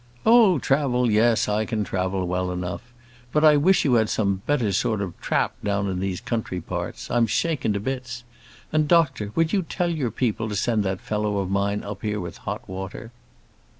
"Oh, travel; yes, I can travel well enough. But I wish you had some better sort of trap down in these country parts. I'm shaken to bits. And, doctor, would you tell your people to send that fellow of mine up here with hot water."